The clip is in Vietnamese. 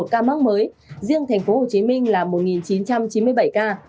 trong ngày một tháng tám đã có thêm ba hai trăm linh một ca mắc mới riêng tp hcm là một chín trăm chín mươi bảy ca